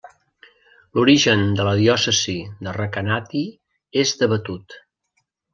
L'origen de la diòcesi de Recanati és debatut.